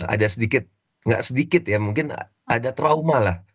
ada sedikit nggak sedikit ya mungkin ada trauma lah